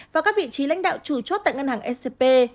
và các vị trí lãnh đạo chủ chốt tại ngân hàng scp